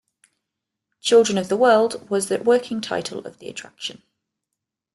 "Children of the World" was the working title of the attraction.